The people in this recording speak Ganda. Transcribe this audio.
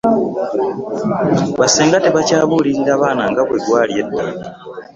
bassenga tebakyabulirira baana nga bwe gwali edda